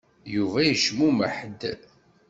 Yuba yecmumeḥ-d.